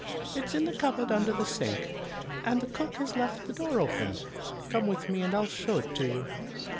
"It's in the cupboard under the sink, and the cook has left the door open. Come with me and I'll show it to you.